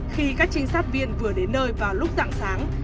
khi các trinh sát viên vừa đến nơi vào lúc dạng sáng